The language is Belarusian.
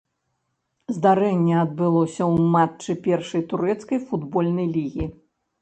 Здарэнне адбылося ў матчы першай турэцкай футбольнай лігі.